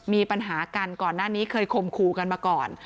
มีปัญหากันก่อนหน้านี้เคยคมคู่กันมาก่อน